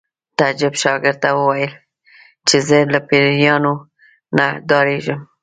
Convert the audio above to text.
تعجب شاګرد ته وویل چې زه له پیریانو نه ډارېږم